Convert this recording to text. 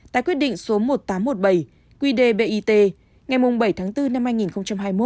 tại quyết định số một nghìn tám trăm một mươi bảy quy đề bit ngày bảy tháng bốn năm hai nghìn hai mươi một